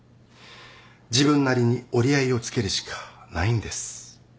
自分なりに折り合いをつけるしかないんです。